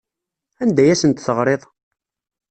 Anda ay asent-teɣriḍ?